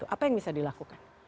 apa yang bisa dilakukan